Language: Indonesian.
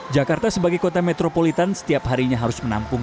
jakarta sebagai kota metropolitan setiap harinya harus menampung